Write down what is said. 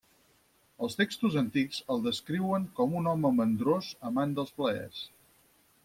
Els textos antics el descriuen com un home mandrós, amant dels plaers.